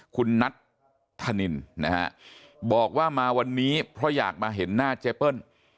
คุณนัทธนินนะฮะบอกว่ามาวันนี้เพราะอยากมาเห็นหน้าเจ๊เปิ้ล